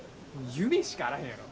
夢しかあらへんやろ。